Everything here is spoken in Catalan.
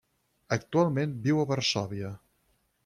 Actualment viu a Varsòvia.